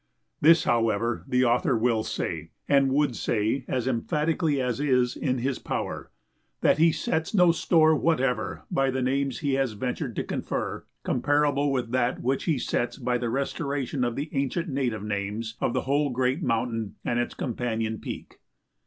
This, however, the author will say, and would say as emphatically as is in his power: that he sets no store whatever by the names he has ventured to confer comparable with that which he sets by the restoration of the ancient native names of the whole great mountain and its companion peak.